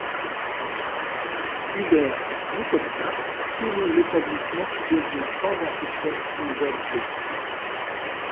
Hubert Boukobza sous-loue l'établissement qui devient, sans grand succès, une boîte gay.